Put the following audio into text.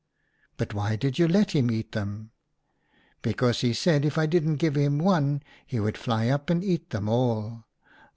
"' But why did you let him eat them ?'"' Because he said if I didn't give him one he would fly up and eat them all.